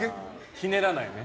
ひねらないね。